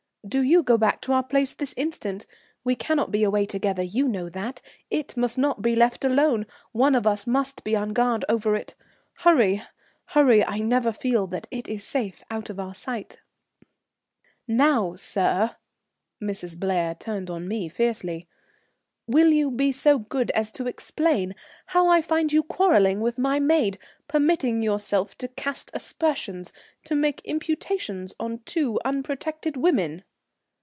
Do you go back to our place this instant; we cannot be away together, you know that; it must not be left alone, one of us must be on guard over it. Hurry, hurry, I never feel that it is safe out of our sight. "Now, sir," Mrs. Blair turned on me fiercely, "will you be so good as to explain how I find you quarrelling with my maid, permitting yourself to cast aspersions, to make imputations upon two unprotected women?"